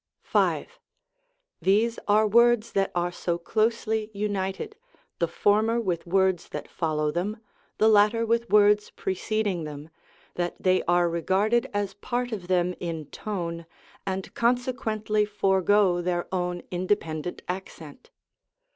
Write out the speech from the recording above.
V. These are words that are so closely united, the former with words that follow them, the latter with words preceding them, that they are regarded as part of them in tone, and consequently forego their own independent accent.